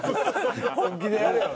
「本気でやれよ」